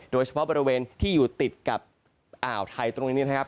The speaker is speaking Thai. โดยเฉพาะบริเวณที่อยู่ติดกับอ่าวไทยตรงนี้นะครับ